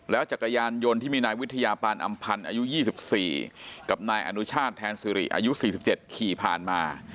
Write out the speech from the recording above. แล้วจักรยานยนต์ที่มีนายวิทยาปานอำพันธ์อายุยี่สิบสี่กับนายอนุชาติแทนสุรีอายุสี่สิบเจ็ดขี่ผ่านมา